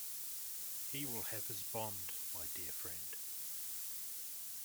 He will have his bond, my dear friend.